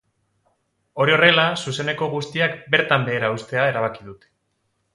Hori horrela, zuzeneko guztiak bertan behera uztea erabaki dute.